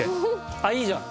あっいいじゃん。